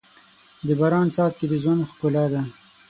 د باران څاڅکي د ژوند ښکلا ده.